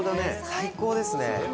最高ですね。